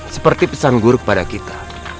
seperti pesan guru kepada kita